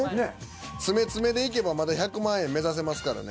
詰め詰めでいけばまだ１００万円目指せますからね。